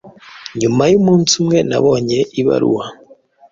Nyuma y'umunsi umwe nabonye ibaruwa